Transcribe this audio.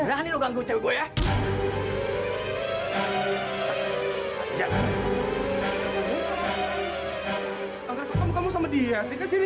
ayo kita bantu dia